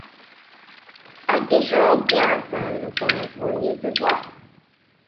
Additional garrison points were used as well.